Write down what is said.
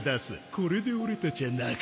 これで俺たちは仲間だ